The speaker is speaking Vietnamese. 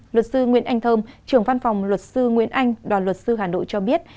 luật sư nguyễn anh thơm trưởng văn phòng luật sư nguyễn anh đoàn luật sư hà nội cho biết